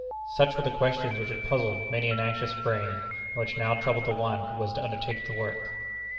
Such were the questions which had puzzled many an anxious brain, and which now troubled the one who was to undertake the work.